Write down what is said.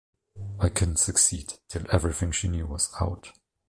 I couldn’t succeed till everything she knew was out.